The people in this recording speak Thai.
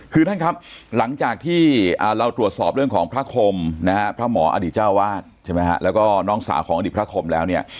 คือท่านครับหลังจากที่เราตรวจสอบเรื่องของพระคมนะฮะพระหมออดีตเจ้าวาดใช่ไหมฮะแล้วก็น้องสาวของอดีตพระคมแล้วเนี่ย